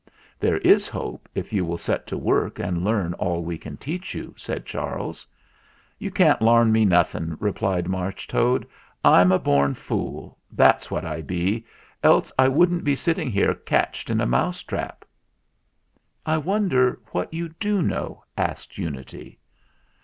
"There is hope, if you will set to work and learn all we can teach you," said Charles. "You can't larn me nothing," replied Marsh Galloper. "I'm a born fool, that's what I be, else I wouldn't be sitting here catched in a mouse trap." "I wonder what you do know ?" asked Unity.